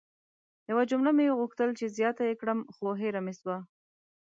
یوه جمله مې غوښتل چې زیاته ېې کړم خو هیره مې سوه!